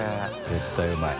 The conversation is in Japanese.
絶対うまい。